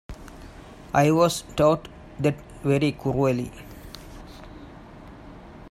I was taught that very cruelly.